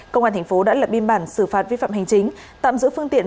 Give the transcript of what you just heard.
công an tp đã lập biên bản xử phạt vi phạm hành chính tạm giữ phương tiện